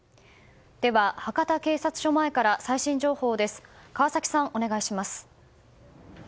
では、博多警察署前から最新情報です。